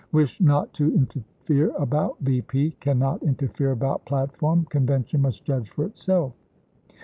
P. Wish not to in dorsement, terfere about V. P. Can not interfere about plat u 3S. form. Convention must judge for itself."